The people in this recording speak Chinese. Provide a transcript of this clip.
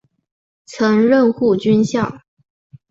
曾任护军校。